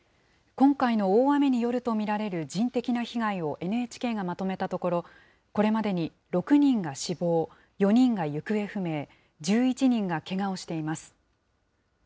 今回の大雨によると見られる人的な被害をＮＨＫがまとめたところ、これまでに６人が死亡、４人が行方不明、１１人がけがをしています。